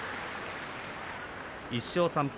１勝３敗。